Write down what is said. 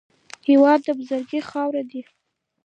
هېواد د بزګر خاورې دي.